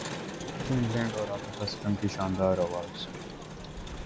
نمستے England اور عاطف اسلم کی شاندار اواز